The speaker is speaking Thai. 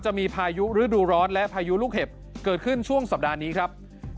พายุฤดูร้อนและพายุลูกเห็บเกิดขึ้นช่วงสัปดาห์นี้ครับ